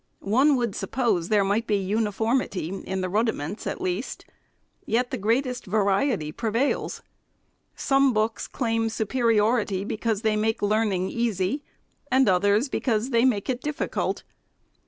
One would suppose there might be uniformity in rudiments, at least ; yet the greatest va riety prevails. Some books claim superiority, because they make learning easy, and others because they make it difficult.